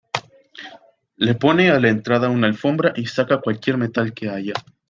le pone a la entrada una alfombra y saca cualquier metal que haya.